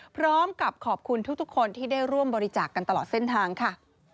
พร้อมกับขอบคุณทุกคนที่ได้ร่วมบริจาคกันตลอดเส้นทางค่ะ